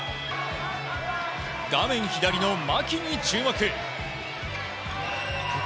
画面左の牧に注目。